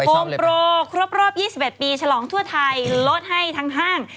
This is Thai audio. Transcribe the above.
โฮมโปรครบรอบ๒๑ปีฉลองทั่วไทยลดให้ทั้งห้าง